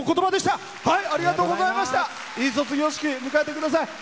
いい卒業式を迎えてください。